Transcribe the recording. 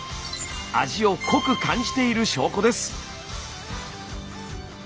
味を濃く感じている証拠です。